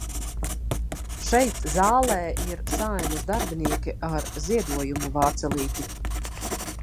Šeit zālē ir Saeimas darbinieki ar ziedojumu vācelīti.